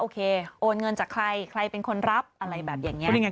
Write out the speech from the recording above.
โอเคโอนเงินจากใครใครเป็นคนรับอะไรแบบนี้